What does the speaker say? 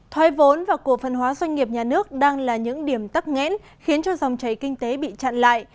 thoái vốn và cổ phân hóa doanh nghiệp nhà nước đang là những điểm tắc nghẽn khiến cho dòng chảy kinh tế bị chặn lại